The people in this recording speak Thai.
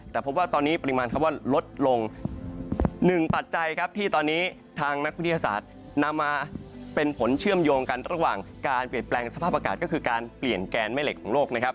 แต่พบว่าตอนนี้ปริมาณคำว่าลดลงหนึ่งปัจจัยครับที่ตอนนี้ทางนักวิทยาศาสตร์นำมาเป็นผลเชื่อมโยงกันระหว่างการเปลี่ยนแปลงสภาพอากาศก็คือการเปลี่ยนแกนแม่เหล็กของโลกนะครับ